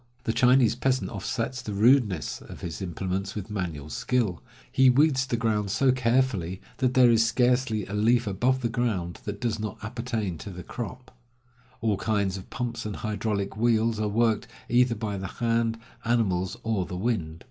The Chinese peasant offsets the rudeness of his implements with manual skill. He weeds the ground so carefully that there is scarcely a leaf above the ground that does not 176 Across Asia on a Bicycle appertain to the crop. All kinds of pumps and hydraulic wheels are worked, either by the hand, animals, or the wind.